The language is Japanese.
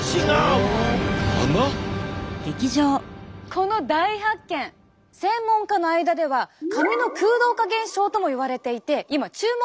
この大発見専門家の間では髪の空洞化現象ともいわれていて今注目されているんです。